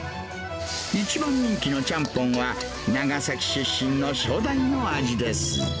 一番人気のちゃんぽんは、長崎出身の初代の味です。